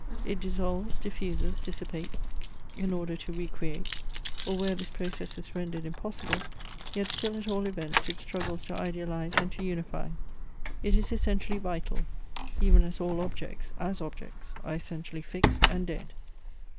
It dissolves, diffuses, dissipates, in order to recreate: or where this process is rendered impossible, yet still at all events it struggles to idealize and to unify. It is essentially vital, even as all objects (as objects) are essentially fixed and dead.